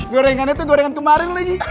gorengannya tuh gorengan kemarin lagi